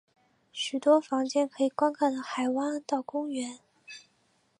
许多房间可以观看到海湾和公园。